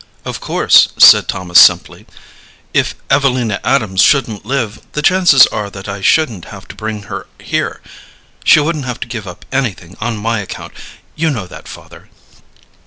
"Of course," said Thomas, simply, "if Evelina Adams shouldn't live, the chances are that I shouldn't have to bring her here. She wouldn't have to give up anything on my account you know that, father."